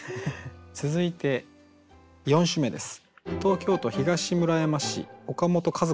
続いて４首目です。